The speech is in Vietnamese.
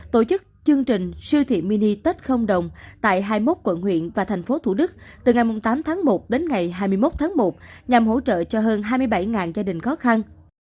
tổ chức chương trình siêu thị mini tết không đồng tại hai mươi một quận huyện và thành phố thủ đức từ ngày tám tháng một đến ngày hai mươi một tháng một nhằm hỗ trợ cho hơn hai mươi bảy gia đình khó khăn